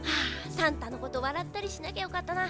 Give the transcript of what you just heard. さんたのことわらったりしなきゃよかったな。